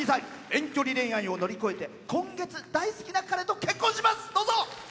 遠距離恋愛を乗り越えて今月、大好きな彼と結婚します。